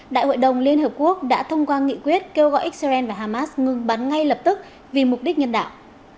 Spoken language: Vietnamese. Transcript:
đại hội đồng liên hợp quốc đã thông qua nghị quyết kêu gọi israel và hamas ngừng bắn ngay lập tức vì mục đích nhân đạo